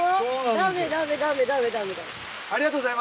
ダメダメダメダメダメ。